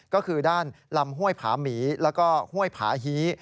ก็คือด้านลำห้วยผาหมีแล้วก็ห้วยผาฮี